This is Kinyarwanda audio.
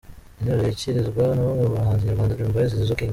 intero yirikizwa na bamwe mu bahanzi Nyarwanda ; Dream Boys, Zizou, King